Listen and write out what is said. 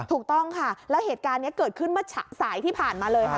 ถูกต้องค่ะแล้วเหตุการณ์นี้เกิดขึ้นเมื่อสายที่ผ่านมาเลยค่ะ